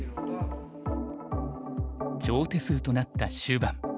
長手数となった終盤。